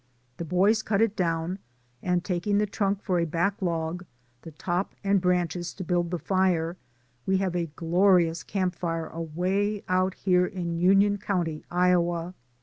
The boys cut it down, and taking the trunk for a back log, the top and branches to build the fire, we have a glorious camp fire away out here in Union County, Iowa.